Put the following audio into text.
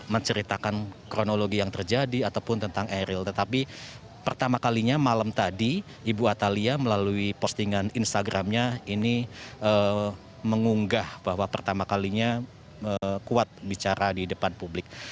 menceritakan kronologi yang terjadi ataupun tentang eril tetapi pertama kalinya malam tadi ibu atalia melalui postingan instagramnya ini mengunggah bahwa pertama kalinya kuat bicara di depan publik